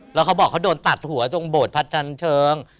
แล้วเขาบอกเขาโดนตัดหัวตรงโบสถพัดชันเชิง